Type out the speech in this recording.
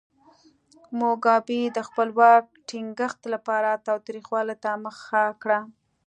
موګابي د خپل واک ټینګښت لپاره تاوتریخوالي ته مخه کړه.